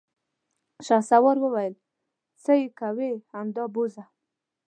شهسوار وويل: څه يې کوې، همدا بوځه!